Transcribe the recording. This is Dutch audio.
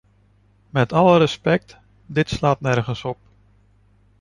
Met alle respect, dit slaat nergens op.